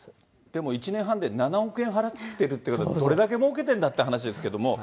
でも、１年半で７億円払ってるって、どれだけも受けてるんだっていう話ですけども。